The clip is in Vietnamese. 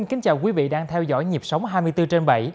kính chào quý vị đang theo dõi nhịp sống hai mươi bốn trên bảy